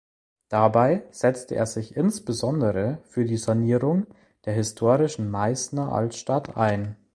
Dabei setzte er sich insbesondere für die Sanierung der historischen Meißener Altstadt ein.